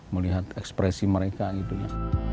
melihat ekspresi mereka gitu ya